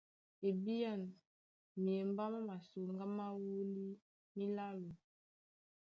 E ɓ!!ân myembá má masoŋgá má wólí mílálo.